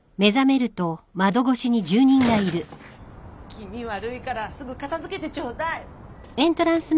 ・気味悪いからすぐ片付けてちょうだい。